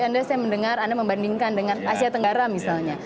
anda saya mendengar anda membandingkan dengan asia tenggara misalnya